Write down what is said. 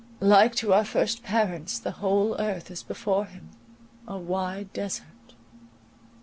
Like to our first parents, the whole earth is before him, a wide desart.